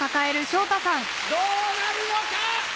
どうなるのか？